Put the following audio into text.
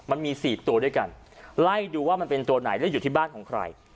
มันมี๔ตัวด้วยกันไล่ดูว่ามันเป็นตัวไหนและอยู่ที่บ้านของใคร